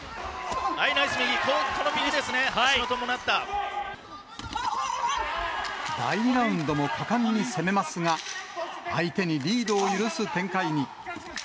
ナイス右、第２ラウンドも果敢に攻めますが、相手にリードを許す展開に。